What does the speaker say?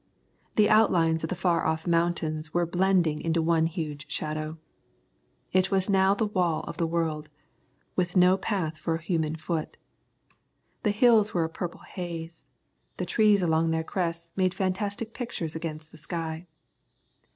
The outlines of the far off mountains were blending into one huge shadow. It was now the wall of the world, with no path for a human foot. The hills were a purple haze, the trees along their crests making fantastic pictures against the sky.